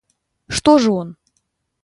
Что же он?